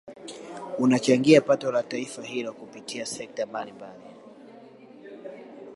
Unachangia pato la taifa hilo kupitia sekta mbalimbali